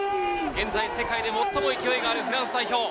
現在世界で最も勢いがあるフランス代表。